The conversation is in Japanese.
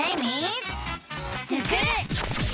「スクる！」。